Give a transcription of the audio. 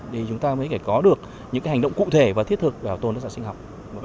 để chúng ta mới có được những cái hành động cụ thể và thiết thực về bảo tồn đa dạng sinh học